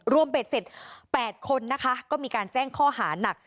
เบ็ดเสร็จ๘คนนะคะก็มีการแจ้งข้อหานัก